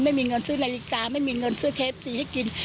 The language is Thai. ไม่มีเงินซื้อนาฬิกาไม่มีเงินซื้อเคฟซีให้กิน